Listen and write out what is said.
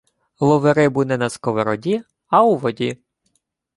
Лови рибу не на сковороді; а у воді.